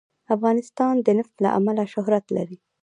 افغانستان د نفت له امله شهرت لري.